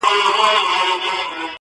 ورور ځان ته سزا ورکوي تل،